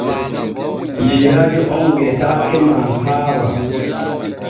Yeyrajo om wiataake ma haawa.